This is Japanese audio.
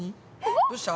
どうした？